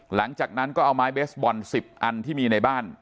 หลังจากนั้นก็เอาไม้เบสบอล๑๐อันที่มีในบ้าน